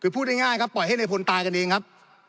คือพูดง่ายครับปล่อยให้ในพลตายกันเองครับ